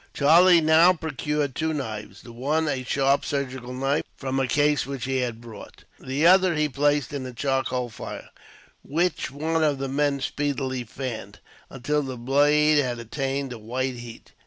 Charlie now procured two knives; the one a sharp surgical knife, from a case which he had brought; the other he placed in a charcoal fire, which one of the men speedily fanned, until the blade had attained a white heat.